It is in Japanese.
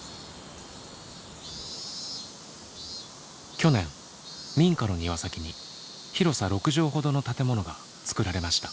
去年民家の庭先に広さ６畳ほどの建物が造られました。